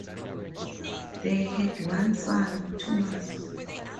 They had one son, Thomas.